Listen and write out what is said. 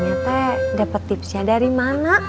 emangnya teh dapat tipsnya dari mana